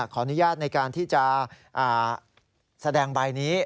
ขออนุญาตในการที่จะแสดงใบนี้